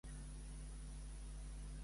En quin context ha fet afirmacions Boye?